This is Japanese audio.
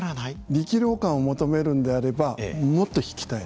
力量感を求めるんであればもっと引きたい。